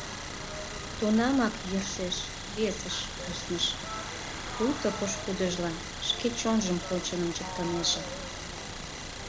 Тунамак йӧршеш весыш кусныш, пуйто пошкудыжлан шке чонжым почын ончыктынеже.